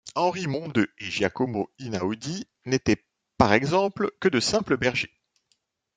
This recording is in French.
Henri Mondeux et Giacomo Inaudi n’étaient par exemple que de simples bergers.